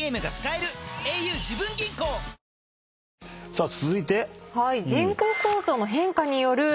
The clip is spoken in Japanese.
さあ続いて。